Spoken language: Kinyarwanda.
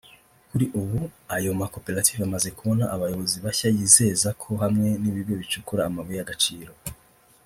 Kuri ubu ayo makoperative amaze kubona abayobozi bashya yizeza ko hamwe n’ibigo bicukura amabuye y’agaciro